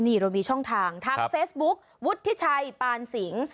นี่เรามีช่องทางทางเฟซบุ๊ควุฒิชัยปานสิง